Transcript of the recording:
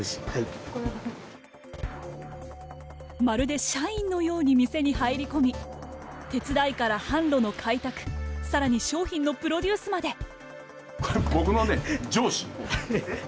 まるで社員のように店に入り込み手伝いから販路の開拓さらに商品のプロデュースまで。